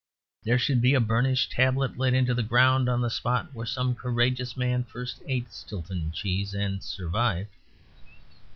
There should be a burnished tablet let into the ground on the spot where some courageous man first ate Stilton cheese, and survived.